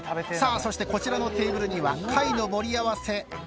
さあそしてこちらのテーブルには貝の盛り合わせ。